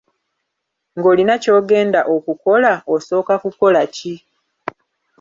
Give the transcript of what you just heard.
Ng'olina ky'ogenda okukola, osooka kukola ki?